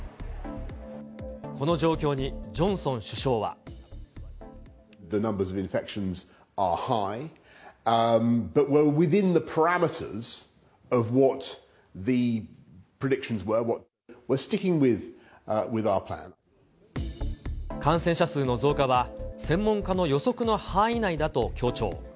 この状況にジョンソン首相は。感染者数の増加は専門家の予測の範囲内だと強調。